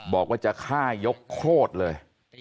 บอกว่าจะฆ่ายกโคตรเลย